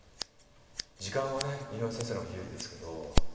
時間はね井上先生の方が有利ですけど。